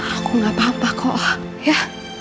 aku gak apa apa kok ya